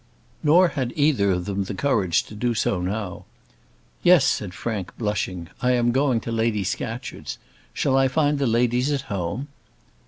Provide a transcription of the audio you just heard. Nor had either of them the courage to do so now. "Yes," said Frank, blushing, "I am going to Lady Scatcherd's. Shall I find the ladies at home?"